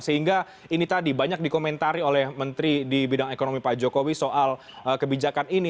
sehingga ini tadi banyak dikomentari oleh menteri di bidang ekonomi pak jokowi soal kebijakan ini